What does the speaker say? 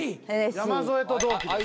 山添と同期です